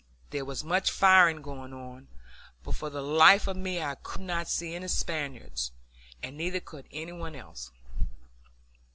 There was much firing going on, but for the life of me I could not see any Spaniards, and neither could any one else.